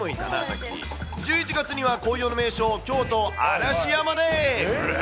１１月には紅葉の名所、京都・嵐山で。